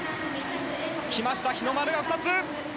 来ました、日の丸が２つ！